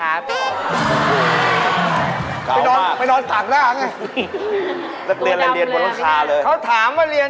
อ้าวทอดอร์ไอ้โรงเรียนเดียวกับไอ้คนเมื่อกี้เลย